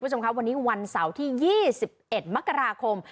คุณผู้ชมครับวันนี้วันเสาร์ที่๒๑มกราคม